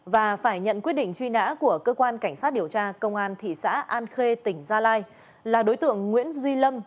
và phải nhận quyết định truy nã của cơ quan cảnh sát điều tra công an thị xã an khê tỉnh gia lai là đối tượng nguyễn duy lâm